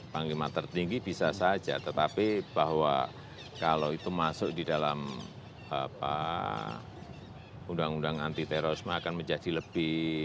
panglima tertinggi bisa saja tetapi bahwa kalau itu masuk di dalam undang undang anti terorisme akan menjadi lebih